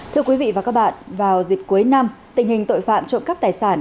thưa quý vị và các bạn vào dịp cuối năm tình hình tội phạm trộm cắp tài sản